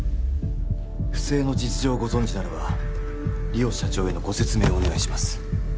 不正の実情をご存じならば梨央社長へのご説明をお願いします